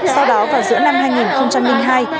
sau đó vào giữa năm hai nghìn hai